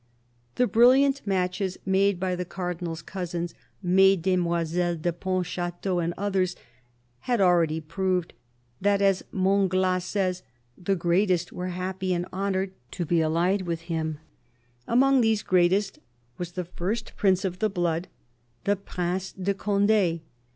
The brilliant matches made by the Cardinal's cousins, Mesdemoiselles de Pontchateau and others, had already proved that, as Montglat says, " the greatest were happy and honoured to be allied with him." Among these " greatest " was the first prince of the blood, the Prince de Conde.